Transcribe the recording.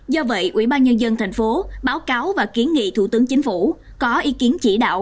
do vậy quỹ ban nhân dân tp hcm báo cáo và kiến nghị thủ tướng chính phủ có ý kiến chỉ đạo